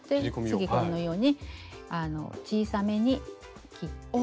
次このように小さめに切ります。